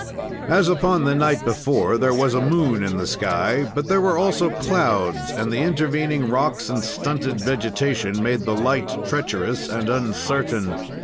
As upon the night before, there was a moon in the sky, but there were also clouds, and the intervening rocks and stunted vegetation made the light treacherous and uncertain.